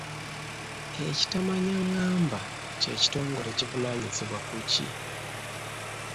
Ekitamanyangamba kye kitongole ekivunaanyizibwa ku ki?